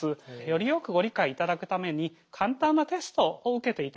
よりよくご理解いただくために簡単なテストを受けていただきたいと思います。